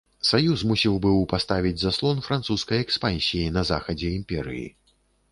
Саюз мусіў быў паставіць заслон французскай экспансіі на захадзе імперыі.